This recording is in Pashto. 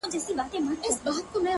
• د محبت دار و مدار کي خدايه ؛